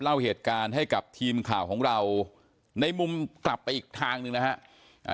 เล่าเหตุการณ์ให้กับทีมข่าวของเราในมุมกลับไปอีกทางหนึ่งนะฮะ